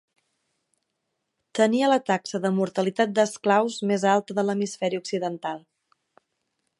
Tenia la taxa de mortalitat d'esclaus més alta de l'hemisferi occidental.